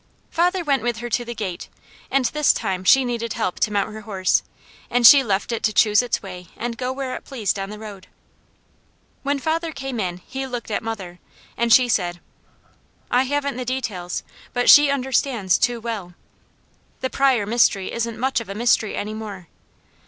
Father went with her to the gate, and this time she needed help to mount her horse, and she left it to choose its way and go where it pleased on the road. When father came in he looked at mother, and she said: "I haven't the details, but she understands too well. The Pryor mystery isn't much of a mystery any more.